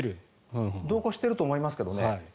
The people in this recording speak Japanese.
同行してると思いますけどね。